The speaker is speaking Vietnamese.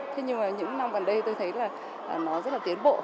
thế nhưng mà những năm gần đây tôi thấy là nó rất là tiến bộ